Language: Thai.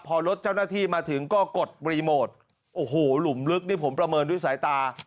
พอรถเจ้าหน้าที่มาถึงก็กดรีโมทโอ้โหหลุมลึกนี่ผมประเมินด้วยสายตา